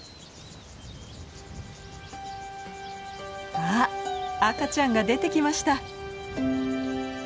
あっ赤ちゃんが出てきました。